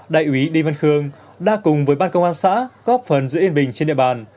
đại úy đi văn khương đã cùng với ban công an xã góp phần giữ yên bình trên địa bàn